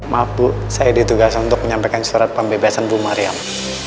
maaf bu saya ditugaskan untuk menyampaikan surat pembebasan bu mariam